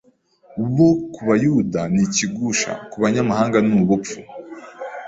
uwo ku Bayuda ni ikigusha, ku Banyamahanga ni ubupfu: